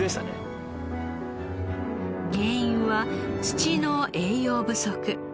原因は土の栄養不足。